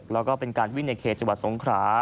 แล้วก็เป็นการวิ่งในเขตจังหวัดสงขรา